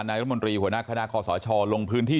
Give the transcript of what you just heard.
ในละมนตรีหัวหน้าคณะขศชลงพื้นที่